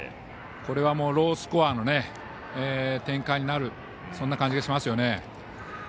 これは、ロースコアの展開になるそんな感じがしますよね。